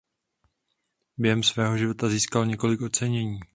Během svého života získal několik ocenění.